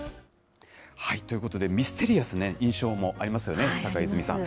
ということで、ミステリアスな印象もありますよね、坂井泉水さん。